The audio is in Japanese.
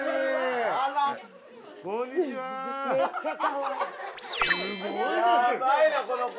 ・ヤバいなこの子。